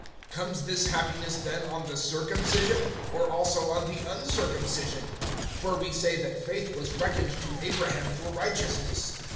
(9)Comes this happiness then on the circumcision, or also on he uncircumcision? For we say that faith was reckoned to Abraham for righteousness.